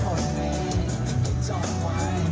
ต้องทิ้งสายผมทั้งนี้